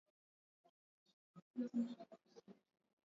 Mzunguko wa maambukizi ya ugonjwa wa kuharibu mimba